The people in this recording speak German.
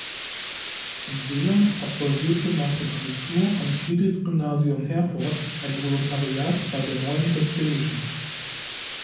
Siller absolvierte nach dem Abitur am Friedrichs-Gymnasium Herford ein Volontariat bei der Neuen Westfälischen.